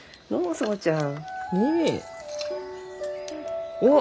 園ちゃん。